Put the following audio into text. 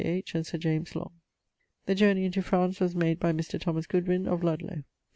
H. and Sir James Long). The Journey into France was made by Mr. Thomas Goodwyn, of Ludlowe